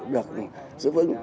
được giữ vững